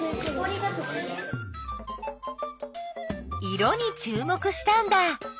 色にちゅう目したんだ！